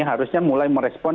harusnya mulai merespon